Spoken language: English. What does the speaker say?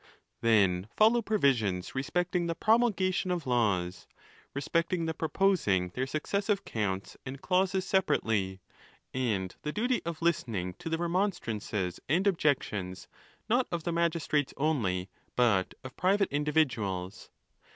Then follow provisions respecting the promulgation of laws, respecting the proposing their successive counts and clauses separately, and the duty of listening to the remon strances and objections, not of the magistrates only, but of private individuals.